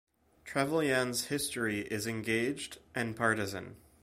Trevelyan's history is engaged and partisan.